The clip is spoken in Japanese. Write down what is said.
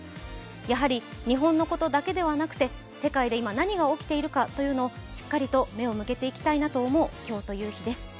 やはり日本のことだけではなくて、世界で今何が起きているかをしっかりと目を向けていたいと思う今日このごろです。